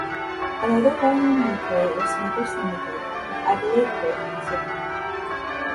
Another well-known maker was Metters Limited of Adelaide, Perth and Sydney.